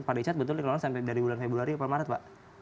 pak richard betul dikeluarkan dari bulan februari apa maret pak